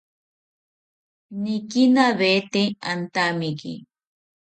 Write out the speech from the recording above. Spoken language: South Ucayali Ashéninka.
Nikinawete antamiki